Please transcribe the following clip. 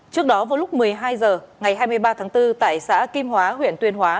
trước đó vào lúc một mươi hai h ngày hai mươi ba tháng bốn tại xã kim hóa huyện tuyên hóa